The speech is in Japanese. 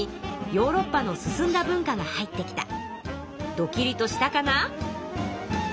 ドキリとしたかな？